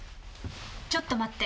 ちょっと待って！